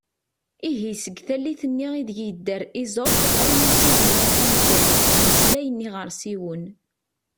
Ihi seg tallit-nni ideg yedder Esope armi d tin n La Fontaine “mmeslayen iɣersiwen”.